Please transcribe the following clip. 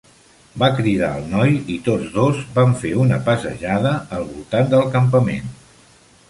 Va cridar el noi i tots dos van fer una passejada al voltant del campament.